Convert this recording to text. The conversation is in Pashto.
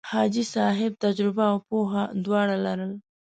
حاجي صاحب تجربه او پوه دواړه لرل.